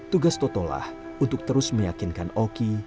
tugas toto lah untuk terus meyakinkan oki